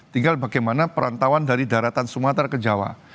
tinggal bagaimana perantauan dari daratan sumatera ke jawa